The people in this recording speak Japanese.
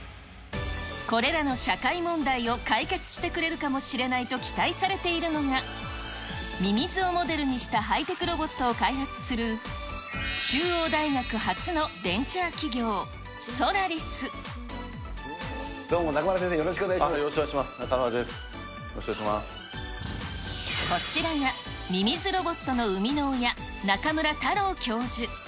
これらの社会問題を解決してくれるかもしれないと期待されているのが、ミミズをモデルにしたハイテクロボットを開発する、中央大学発のどうも、中村先生、よろしくよろしくお願いします、こちらがミミズロボットの生みの親、中村太郎教授。